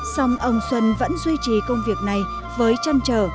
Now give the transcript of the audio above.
xong ông xuân vẫn duy trì công việc này với chăn trở